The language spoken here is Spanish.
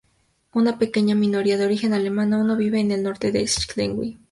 Una pequeña minoría de origen alemán aún vive en el norte de Schleswig.